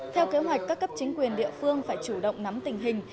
theo kế hoạch các cấp chính quyền địa phương phải chủ động nắm tình hình